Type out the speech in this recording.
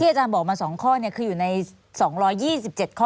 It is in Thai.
อาจารย์บอกมา๒ข้อคืออยู่ใน๒๒๗ข้อ